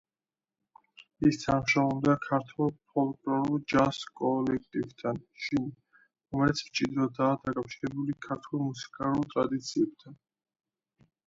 ის თანამშრომლობდა ქართულ ფოლკლორულ ჯაზ კოლექტივთან „შინ“, რომელიც მჭიდროდაა დაკავშირებული ქართულ მუსიკალურ ტრადიციებთან.